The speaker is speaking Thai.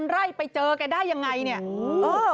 ๑๘๐๐๐ไร่ไปเจอกันได้อย่างไร